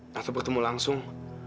atau bertemu langsung